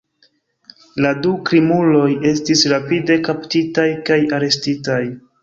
La du krimuloj estis rapide kaptitaj kaj arestitaj.